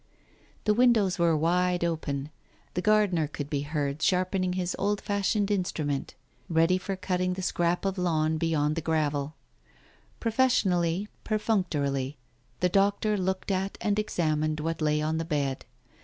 The windows were wide open. The gardener could be heard sharpening his old fashioned instrument ready for cut ting the scrap of lawn beyond the gravel. Profession ally, perfunctorily, the doctor looked at and examined what lay on the bed.